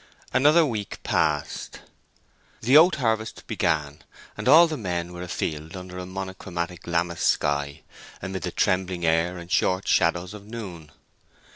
Another week passed. The oat harvest began, and all the men were a field under a monochromatic Lammas sky, amid the trembling air and short shadows of noon.